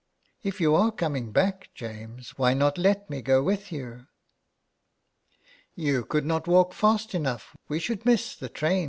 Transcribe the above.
" If you are coming back, James, why not let me go with you?" " You could not walk fast enough. We should miss the train."